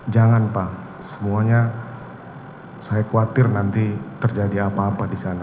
jangan pak semuanya saya khawatir nanti terjadi apa apa di sana